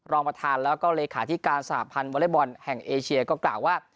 รองประธานแล้วก็เลขาธิการสหพันธ์วอเล็กบอลแห่งเอเชียก็กล่าวว่า